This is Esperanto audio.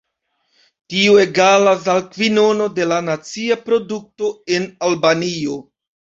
Tio egalas al kvinono de la nacia produkto en Albanio.